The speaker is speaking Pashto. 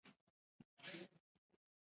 رسوب د افغانستان د بڼوالۍ برخه ده.